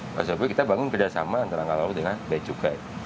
oleh sebab itu kita bangun kerjasama antara angkatan laut dengan bea cukai